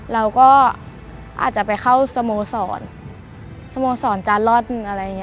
เราก็อาจจะไปเข้าสโมศรสโมศรจารล็อลม